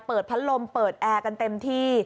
เปิดพันธุ์ลมเปิดแอร์กันเต็มที่